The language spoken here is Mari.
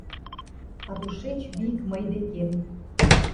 — А тушеч вик мый декем.